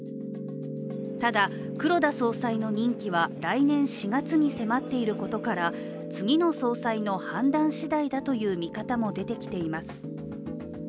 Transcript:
ただ、黒田総裁の任期は来年４月に迫っていることから次の総裁の判断次第だという見方も出てきています。